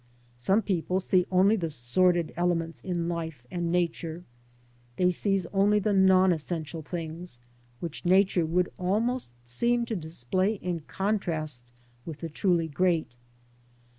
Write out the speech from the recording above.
Some people see only the sordid elements in life and Nature ; they seize only the non essential things which Nature would almost seem to display in contrast with the truly great.